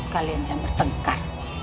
kalian jangan bertengkar